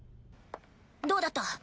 どうだった？